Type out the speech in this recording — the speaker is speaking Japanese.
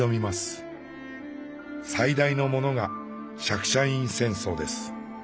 最大のものがシャクシャイン戦争です。